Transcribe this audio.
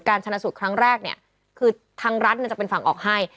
การชันสูตรครั้งแรกคือทางรัฐจะเป็นฝั่งออกให้